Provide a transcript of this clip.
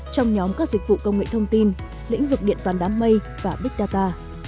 trong nhóm các dịch vụ công nghệ thông tin lĩnh vực điện toàn đám mây và big data